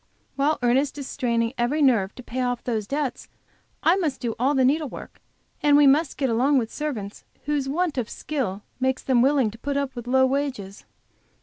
While Ernest is straining every nerve to pay off those debts, I must do all the needlework, and we must get along with servants whose want of skill makes them willing to put up with low wages.